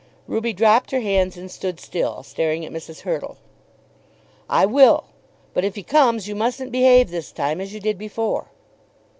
Ruby dropped her hands and stood still, staring at Mrs. Hurtle. "I will. But if he comes you mustn't behave this time as you did before."